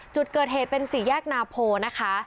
จุดเกิดเหตุเป็นสี่แยกนาโพนะคะ